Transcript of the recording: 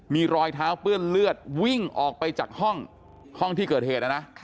มีรอยเท้าเปื้อนเลือดวิ่งออกไปจากห้องห้องที่เกิดเหตุนะนะ